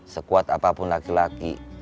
sekuat apapun laki laki